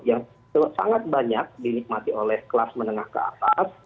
yang sangat banyak dinikmati oleh kelas menengah ke atas